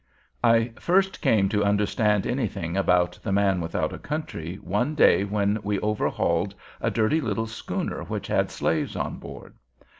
I first came to understand anything about "the man without a country" one day when we overhauled a dirty little schooner which had slaves on board.